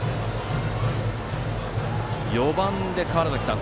４番で川原崎さん